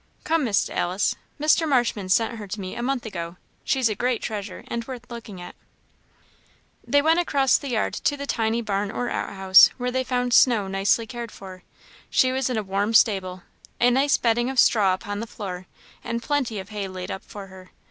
Come, Miss Alice; Mr. Marshman sent her to me a month ago; she's a great treasure, and worth looking at." They went across the yard to the tiny barn or outhouse, where they found Snow nicely cared for. She was in a warm stable, a nice bedding of straw upon the floor, and plenty of hay laid up for her.